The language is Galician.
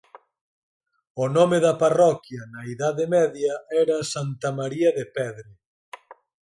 O nome da parroquia na Idade Media era Santa María de Pedre.